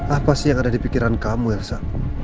apa sih yang ada di pikiran kamu elsa